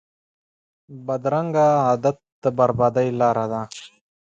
بدرنګه عادت د بربادۍ لاره ده